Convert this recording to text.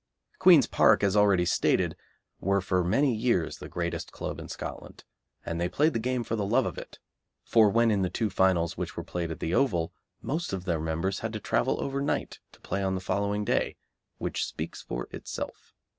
Queen's Park, as already stated, were for many years the greatest club in Scotland, and they played the game for the love of it, for when in the two finals which were played at the Oval most of their members had to travel overnight to play on the following day, which speaks for itself.